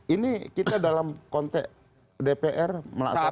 ini kita dalam konteks dpr melaksanakan